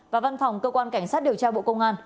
và văn phòng cơ quan cảnh sát điều tra bộ công an